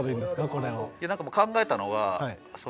これを。